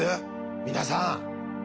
皆さん。